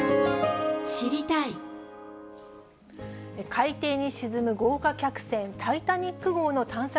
海底に沈む豪華客船、タイタニック号の探索